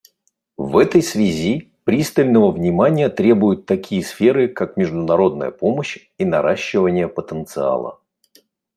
В этой связи пристального внимания требуют такие сферы, как международная помощь и наращивание потенциала.